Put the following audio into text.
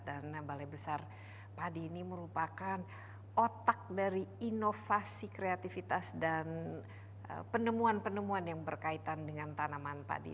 dan balai besar padi ini merupakan otak dari inovasi kreativitas dan penemuan penemuan yang berkaitan dengan tanaman padi